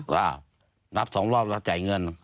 ก็นับสองรอบแล้วจ่ายเงิน